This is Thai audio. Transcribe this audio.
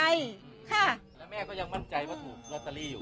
แล้วแม่ก็ยังมั่นใจว่าถูกลอตเตอรี่อยู่